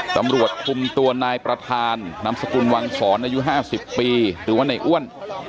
ตำรวจคุมตัวนายประธานนามสกุลวังศรอายุ๕๐ปีหรือว่าในอ้วน